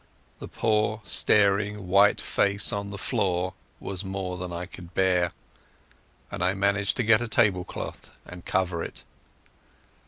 The poor staring white face on the floor was more than I could bear, and I managed to get a table cloth and cover it.